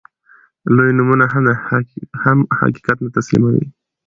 لوی نومونه هم حقيقت نه تسليموي.